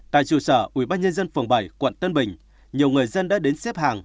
tại trụ sở ubnd phường bảy quận tân bình nhiều người dân đã đến xếp hàng